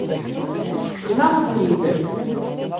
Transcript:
Tekksem-aɣ-ten-id.